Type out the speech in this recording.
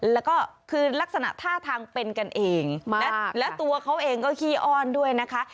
แล้วก็คือลักษณะท่าทางเป็นกันเองและตัวเขาเองก็ขี้อ้อนด้วยนะคะ